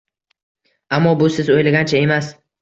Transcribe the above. Ammo, bu siz o‘ylagancha emas.